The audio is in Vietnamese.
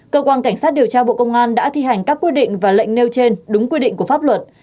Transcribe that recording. cơ quan cảnh sát điều tra bộ công an đã thi hành các quy định và lệnh nêu trên đúng quy định của pháp luật